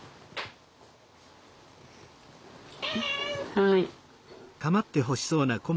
はい。